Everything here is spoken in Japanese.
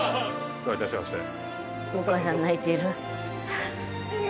どういたしまして。